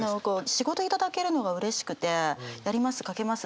仕事頂けるのがうれしくてやります書けます